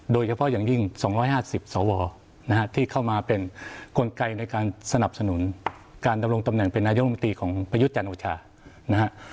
โดยเฉพาะอย่างยิ่ง๒๕๐สวนะฮะที่เข้ามาเป็นกลไกในการสนับสนุนการดำรงตำแหน่งเป็นนายกรรมตรีของประยุทธ์จันทร์โอชานะฮะ